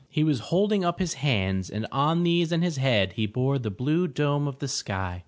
He was holding up his hands and on these and his head he bore the blue dome of the sky.